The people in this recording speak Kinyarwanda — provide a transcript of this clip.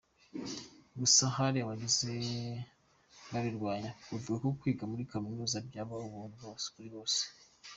Gusa hari abagiye babirwanya bavuga ko kwiga muri kaminuza byaba ubuntu kuri bose.